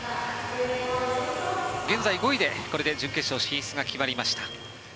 現在５位で準決勝進出が決まりました。